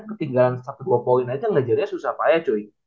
ketinggalan satu dua point aja gak jadinya susah payah coy